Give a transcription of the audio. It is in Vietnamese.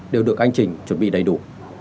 đều được anh trình chuẩn bị đầy đủ